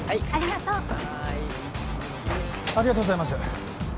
ありがとうございます